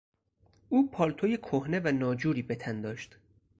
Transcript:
او پالتو کهنه و ناجوری بتن داشت.